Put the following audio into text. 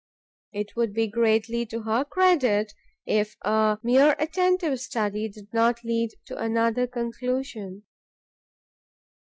It would be greatly to her credit, if a mere attentive study did not lead to another conclusion.